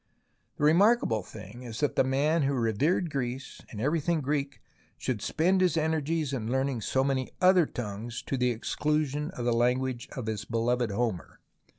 The remarkable thing is that the man who revered Greece and everything Greek should spend his energies in learning so many other tongues to the exclusion of the language of his beloved Homer.